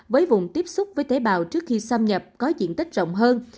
với vùng tiếp xúc với tế bào trước khi xâm nhập có diện tích rộng hơn